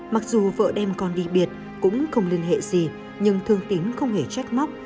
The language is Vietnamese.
mặc dù vợ đem con đi biệt cũng không liên hệ gì nhưng thương tính không hề trách móc